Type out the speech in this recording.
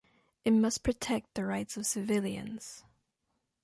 It must protect the rights of civilians.